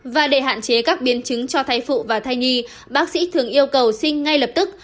và để hạn chế các biến chứng cho thai phụ và thai nhi bác sĩ thường yêu cầu xin ngay lập tức